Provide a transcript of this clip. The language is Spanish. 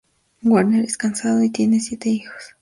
Werner es casado y tiene siete hijos.